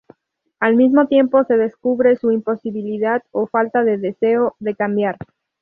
Al mismo tiempo se descubre su imposibilidad o falta de deseo de cambiar.